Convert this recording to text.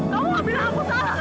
kamu gak bilang aku salah kan